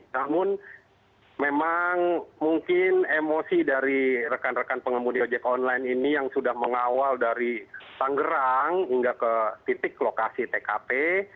namun memang mungkin emosi dari rekan rekan pengemudi ojek online ini yang sudah mengawal dari tanggerang hingga ke titik lokasi tkp